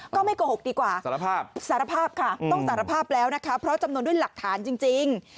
ก็ไม่โกหกดีกว่าสารภาพสารภาพค่ะต้องสารภาพแล้วนะคะเพราะจำนวนด้วยหลักฐานจริง